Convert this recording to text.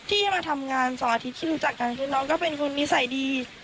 ที่มาทำงานเสาร์อาทิตย์ที่รู้จักกันคือน้องก็เป็นคนนิสัยดี